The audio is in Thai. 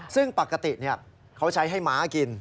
ซึ่งปกติเขาใช้ให้ม้ากิน